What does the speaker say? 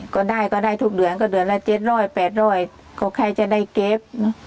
ก็ได้ก็ได้ทุกเดือนก็เดือนละ๗๐๐๘๐๐ก็ใครจะได้เก็บ